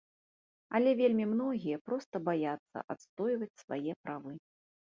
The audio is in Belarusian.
Але вельмі многія проста баяцца адстойваць свае правы.